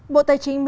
bộ tài chính mỹ